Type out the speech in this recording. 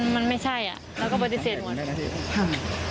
มันไม่ใช่เราก็ปฏิเสธหมดทำ